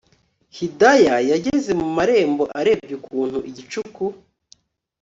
Hidaya yageze mu marembo arebye ukuntu igicuku